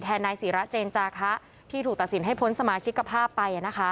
นายศิระเจนจาคะที่ถูกตัดสินให้พ้นสมาชิกภาพไป